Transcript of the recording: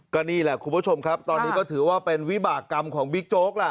ก็นี่แหละคุณผู้ชมครับตอนนี้ก็ถือว่าเป็นวิบากรรมของบิ๊กโจ๊กล่ะ